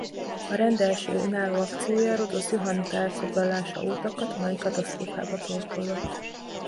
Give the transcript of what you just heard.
A rend első önálló akciója Rodosz johannita elfoglalása óta katonai katasztrófába torkollott.